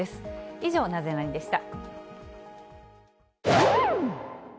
以上、ナゼナニっ？でした。